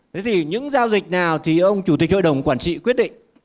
thế thì những giao dịch nào thì ông chủ tịch hội đồng quản trị quyết định